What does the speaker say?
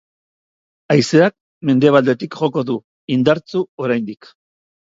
Haizeak mendebaldetik joko du, indartsu oraindik.